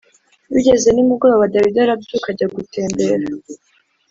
Bigeze nimugoroba dawidi arabyuka ajya gutembera